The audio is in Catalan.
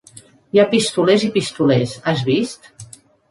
Hi ha pistolers i pistolers, has vist?